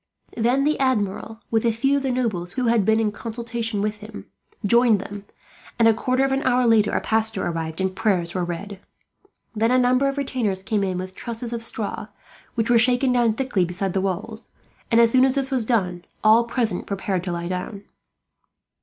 Then the Admiral, with a few of the nobles who had been in consultation with him, joined them and, a quarter of an hour later, a pastor entered and prayers were read. Then a number of retainers came in with trusses of straw, which were shaken down thickly beside the walls; and as soon as this was done, all present prepared to lie down.